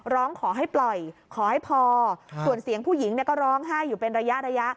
ร้องขอให้ปล่อยขอให้พอส่วนเสียงผู้หญิงก็ร้องไห้อยู่เป็นระยะระยะ